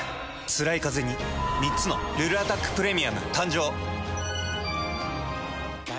つらいカゼに３つの「ルルアタックプレミアム」誕生。